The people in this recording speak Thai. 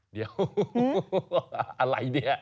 เดี๋ยวอะไรเนี่ย